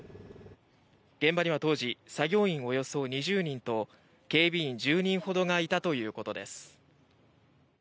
現場には当時作業員およそ２０人と警備員１０人ほどがいたということです。